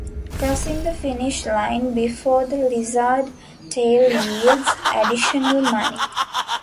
Crossing the finish line before the Lizard Tail yields additional money.